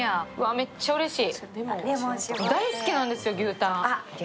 めっちゃうれしい。